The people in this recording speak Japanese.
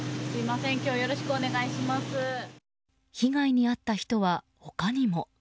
被害に遭った人は、他にも。